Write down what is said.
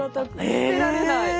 捨てられない。